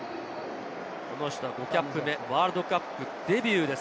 この人は５キャップ目、ワールドカップデビューです。